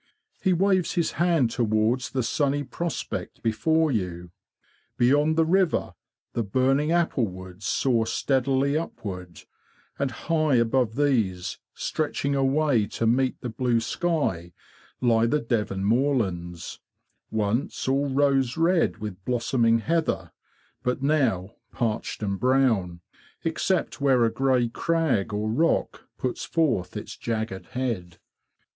He waves his hand towards the sunny prospect before you. Beyond the river the burning apple woods soar steadily upward; and high above these, stretching away to meet the blue sky, lie the Devon moorlands, once all rose red with blossoming heather, but now, parched and brown, except where a grey crag or rock puts forth its jagged head.